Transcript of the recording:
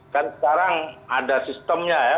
kan sekarang ada sistemnya ya